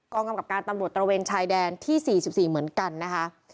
กำกับการตำรวจตระเวนชายแดนที่๔๔เหมือนกันนะคะ